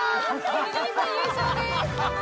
坂上さん優勝です！